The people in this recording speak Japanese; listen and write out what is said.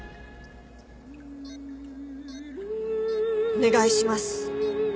お願いします。